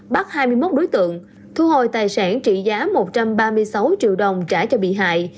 bắt hai mươi một đối tượng thu hồi tài sản trị giá một trăm ba mươi sáu triệu đồng trả cho bị hại